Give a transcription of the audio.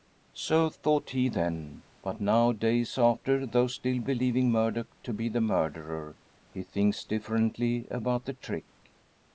So thought he then. But now, days after, though still believing Murdock to be the murderer, he thinks differently about the "trick."